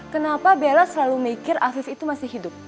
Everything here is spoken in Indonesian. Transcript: kenapa bella selalu mikir afif itu masih hidup